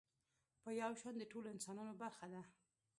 په يو شان د ټولو انسانانو برخه ده.